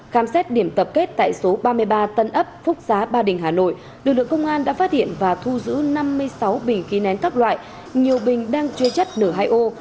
khám xét điểm tập kết tại số ba mươi ba tân ấp phúc giá ba đình hà nội lực lượng công an đã phát hiện và thu giữ năm mươi sáu bình khí nén các loại nhiều bình đang chưa chất n hai o